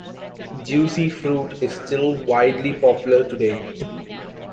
Juicy Fruit is still widely popular today.